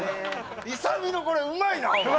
イサミのこれうまいなお前！